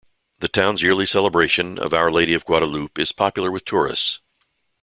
The town's yearly celebration of Our Lady of Guadalupe is popular with tourists.